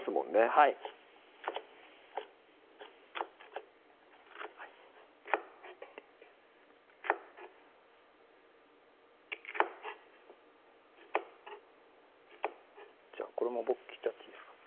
はいこれも僕切っちゃっていいですか？